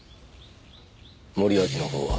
森脇のほうは？